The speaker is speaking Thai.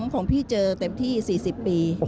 ของพี่เจอเต็มที่๔๐ปี